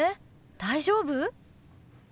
大丈夫？